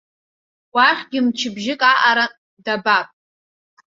Уахьгьы мчыбжьык аҟара дабап.